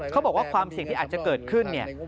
เขาบอกว่าความเสี่ยงที่อาจจะเกิดขึ้น